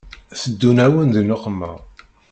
Teddun-awen di nneqma